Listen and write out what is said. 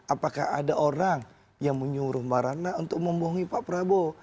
apakah ada orang yang menyuruh mbak ratna untuk membohongi pak prabowo